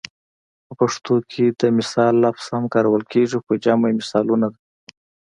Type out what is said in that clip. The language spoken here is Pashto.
په پښتو کې د مثال لفظ هم کارول کیږي خو جمع یې مثالونه ده